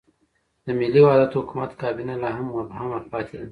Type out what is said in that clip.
د ملي وحدت حکومت کابینه لا هم مبهمه پاتې ده.